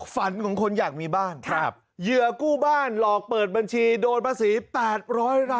ฝันของคนอยากมีบ้านครับเหยื่อกู้บ้านหลอกเปิดบัญชีโดนประสิทธิ์